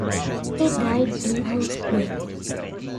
He died in Augsburg.